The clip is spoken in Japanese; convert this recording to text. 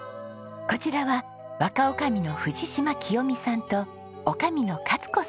こちらは若女将の藤島清美さんと女将の勝子さん。